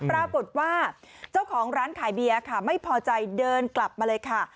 ปรากฏว่าเจ้าของร้านขายเบียร์ค่ะไม่พอใจเดินกลับมาเลยค่ะ